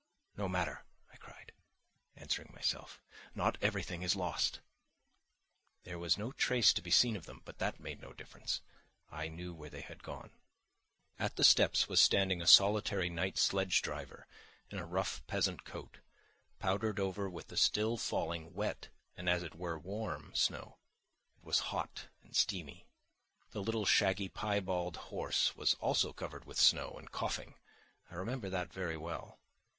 "No matter!" I cried, answering myself. "Now everything is lost!" There was no trace to be seen of them, but that made no difference—I knew where they had gone. At the steps was standing a solitary night sledge driver in a rough peasant coat, powdered over with the still falling, wet, and as it were warm, snow. It was hot and steamy. The little shaggy piebald horse was also covered with snow and coughing, I remember that very well.